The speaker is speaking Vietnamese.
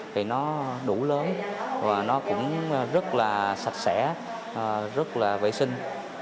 thì nó đủ lớn và nó cũng rất là sạch sẽ rất là vệ sinh